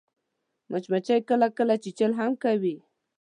مچمچۍ کله کله چیچل هم کوي